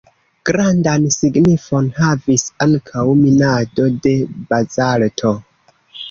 Grandan signifon havis ankaŭ minado de bazalto.